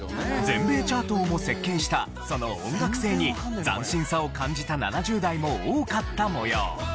全米チャートをも席巻したその音楽性に斬新さを感じた７０代も多かった模様。